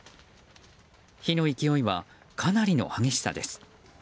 火の勢いは、かなりの激しさです。